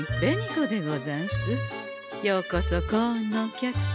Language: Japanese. ようこそ幸運のお客様。